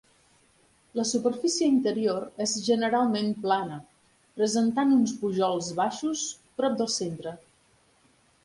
La superfície interior és generalment plana, presentant uns pujols baixos prop del centre.